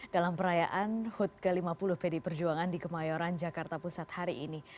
dalam perayaan hut ke lima puluh pd perjuangan di kemayoran jakarta pusat hari ini